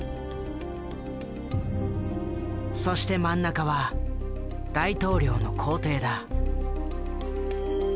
そして真ん中は大統領の公邸だ。